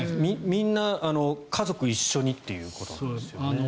みんな家族一緒にということなんですよね。